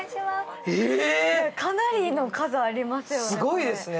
かなりの数ありますよね。